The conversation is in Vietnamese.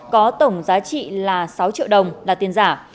có tổng giá trị là sáu triệu đồng là tiền giả